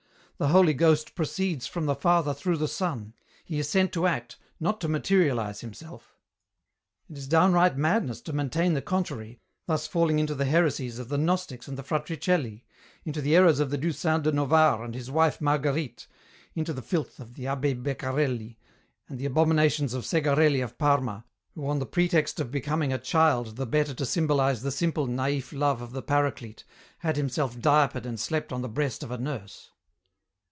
The Holy Ghost proceeds from the Father through the Son. He is sent to act, not to materialize himself. It is downright madness to maintain the contrary, thus falling into the heresies of the Gnostics and the Fratricelli, into the errors of Dulcin de Novare and his wife Marguerite, into the filth of abbé Beccarelli, and the abominations of Segarelli of Parma, who, on pretext of becoming a child the better to symbolize the simple, naïf love of the Paraclete, had himself diapered and slept on the breast of a nurse."